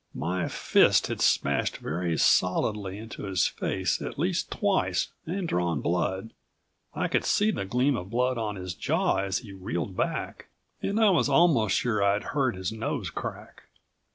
My fist had smashed very solidly into his face at least twice and drawn blood. I could see the gleam of blood on his jaw as he reeled back, and I was almost sure I'd heard his nose crack.